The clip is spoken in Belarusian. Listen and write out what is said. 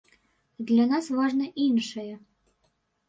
Для нас важна іншае.